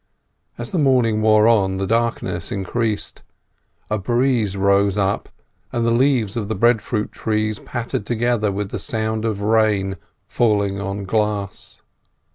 As the morning wore on the darkness increased; a breeze rose up, and the leaves of the breadfruit trees pattered together with the sound of rain falling upon glass.